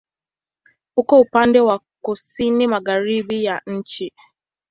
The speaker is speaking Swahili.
Uko upande wa kusini-magharibi ya nchi.